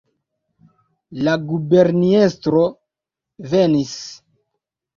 La guberniestro venis!